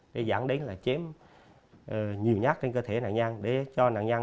với anh anh anh anh nhi